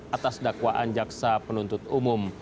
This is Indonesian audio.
atas dakwaan jaksa penuntut umum